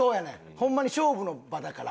ホンマに勝負の場だから。